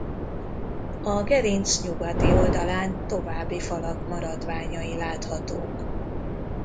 A gerinc nyugati oldalán további falak maradványai láthatók.